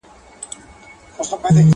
ترڅو له ماڅخه ته هېره سې.